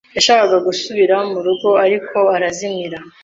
Yashakaga gusubira mu rugo, ariko arazimira.